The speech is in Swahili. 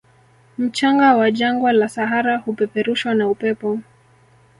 Mchanga wa jangwa la sahara hupeperushwa na upepo